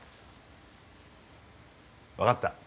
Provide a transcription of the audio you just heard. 分かった。